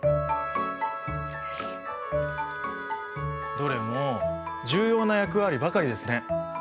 どれも重要な役割ばかりですね。